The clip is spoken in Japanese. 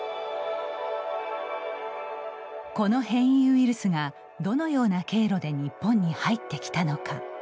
この変異ウイルスが、どのような経路で日本に入ってきたのか。